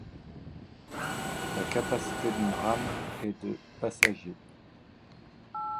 La capacité d'une rame est de passagers.